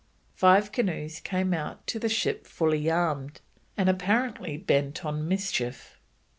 Five canoes came out to the ship fully armed, and apparently bent on mischief.